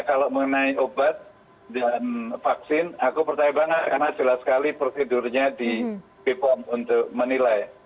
kalau mengenai obat dan vaksin aku percaya banget karena jelas sekali prosedurnya di bepom untuk menilai